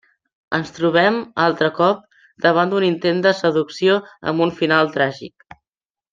Ens trobem, altre cop, davant un intent de seducció amb un final tràgic.